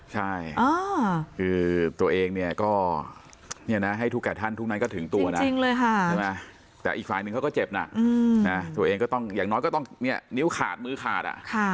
ใช่ตัวเองก็ให้ทุกแก่ท่านทุกนั้นก็ถึงตัวแต่อีกฝ่ายหนึ่งเขาก็เจ็บตัวเองอย่างน้อยก็ต้องนิ้วขาดมือขาด